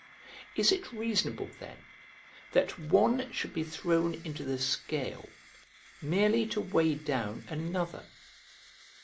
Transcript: Is it reasonable, then, that one should be thrown into the scale merely to weigh down another?